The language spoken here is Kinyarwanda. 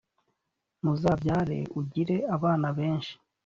muzabyare ugire abana benshi